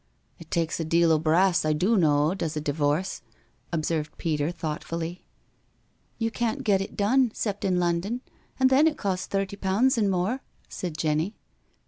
*' It takes a deal o' brass, I do know, does a di voorce," observed Peter thoughtfully, " You can't get it done, 'cept in London— and then it costs thirty pound an' more," said Jenny.